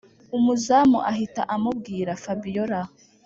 umuzamu ahita amubwira fabiora